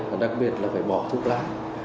và đặc biệt là phải bỏ thuốc lá